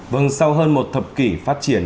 vâng sau hơn một thập kỷ phát triển